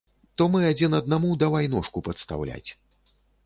То мы адзін аднаму давай ножку падстаўляць.